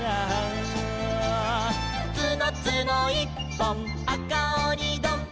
「つのつのいっぽんあかおにどん」